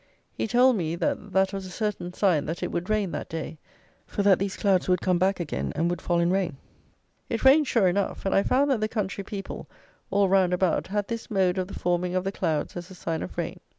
He told me that that was a certain sign that it would rain that day, for that these clouds would come back again, and would fall in rain. It rained sure enough; and I found that the country people, all round about, had this mode of the forming of the clouds as a sign of rain.